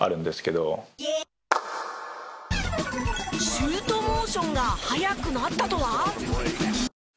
シュートモーションが速くなったとは？